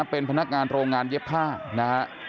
เป็นพนักงานโรงงานเย็บผ้านะฮะ